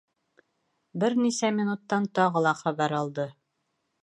Бер нисә минуттан тағы ла хәбәр алды.